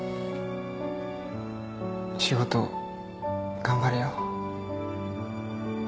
仕事頑張れよ。